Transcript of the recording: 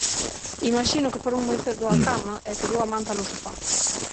Imaxino que foron moi cedo á cama e quedou a manta no sofá.